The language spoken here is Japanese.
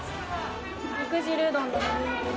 肉汁うどん並盛です